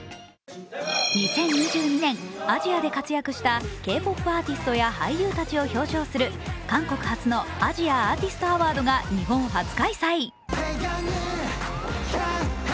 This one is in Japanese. ２０２２年、アジアで活躍したＫ−ＰＯＰアーティストや俳優たちを表彰する韓国初のＡｓｉａＡｒｔｉｓｔＡｗａｒｄｓが日本初開催。